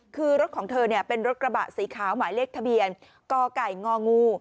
คือรถของเธอเป็นรถกระบะสีขาวหมายเลขทะเบียนกไก่งองู